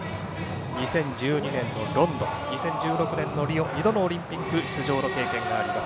２０１２年のロンドン２０１６年のリオ２度のオリンピック出場経験があります。